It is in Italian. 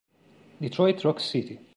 Detroit Rock City